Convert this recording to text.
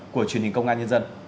của truyền hình công an nhân dân